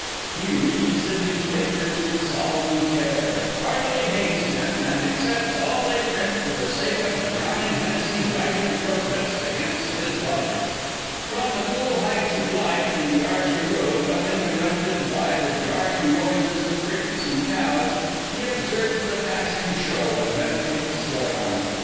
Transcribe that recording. He reads the newspapers with solemn care, heartily hates them, and accepts all they print for the sake of drowning Hennessy's rising protests against his logic. From the cool heights of life in the Archey Road, uninterrupted by the jarring noises of crickets and cows, he observes the passing show, and meditates thereon.